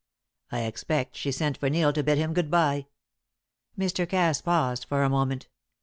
I expect she sent for Neil to bid him good bye." Mr. Cass paused for a moment.